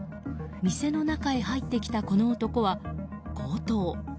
店の中へ入ってきた、この男は強盗。